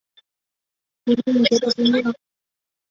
她心里隐隐觉得不妙